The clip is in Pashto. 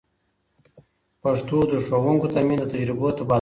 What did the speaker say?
پښتو د ښوونکو تر منځ د تجربو تبادله کوي.